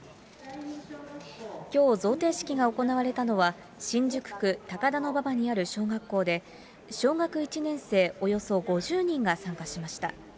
きょう、贈呈式が行われたのは、新宿区高田馬場にある小学校で、小学１年生およそ５０人が参加しました。